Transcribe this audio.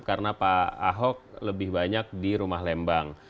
karena pak ahok lebih banyak di rumah lembang